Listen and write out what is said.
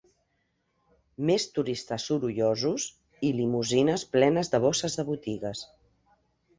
Més turistes sorollosos i limusines plenes de bosses de botigues.